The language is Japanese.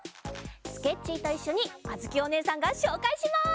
スケッチーといっしょにあづきおねえさんがしょうかいします！